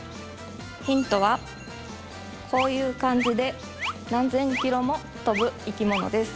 ヒントはこういう感じで何千キロも飛ぶ生き物です